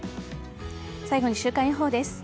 最後に週間予報です。